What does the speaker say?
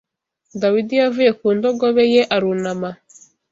Dawidi yavuye ku ndogobe ye arunama